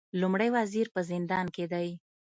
لومړی وزیر په زندان کې دی